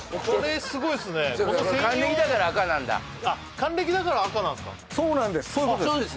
還暦だから赤なんですか？